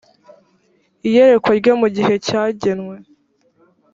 iyerekwa ryo mu gihe cyagenwe